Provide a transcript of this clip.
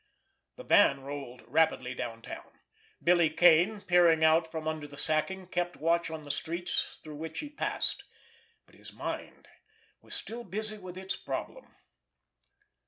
The van rolled rapidly downtown. Billy Kane, peering out from under the sacking, kept watch on the streets through which he passed. But his mind was still busy with its problem.